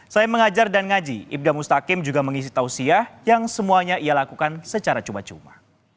selain mengajar dan ngaji ibda mustakim juga mengisi tausiah yang semuanya ia lakukan secara cuma cuma